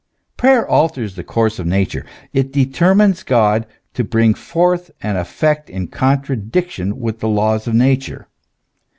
Prayer alters the course of Nature ; it determines God to bring forth an effect in contradiction with the laws of Nature.